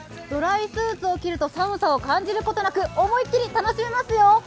ドライスーツを着ると寒さを感じることなく思い切り楽しめますよ！